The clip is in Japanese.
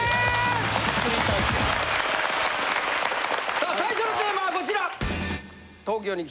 さあ最初のテーマはこちら！